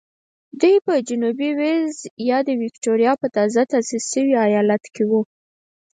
دوی په جنوبي وېلز یا د ویکټوریا په تازه تاسیس شوي ایالت کې وو.